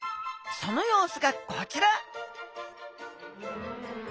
その様子がこちら！